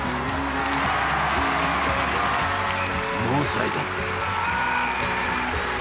ノーサイド。